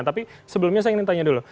tapi sebelumnya saya ingin tanya dulu